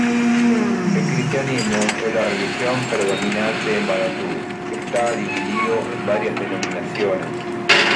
El cristianismo es la religión predominante en Vanuatu, que está dividido en varias denominaciones.